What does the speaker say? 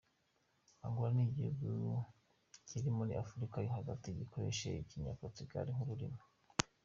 Angola ni igihugu kiri muri Afurika yo hagati gikoresha Ikinya-Portugal nk’ururimi.